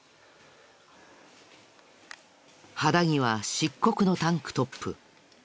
肌着は漆黒のタンクトップ。